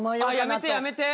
やめてやめて。